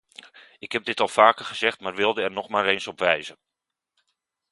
Ik heb dit al vaker gezegd, maar wilde er nog maar eens op wijzen.